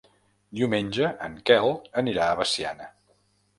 Diumenge en Quel anirà a Veciana.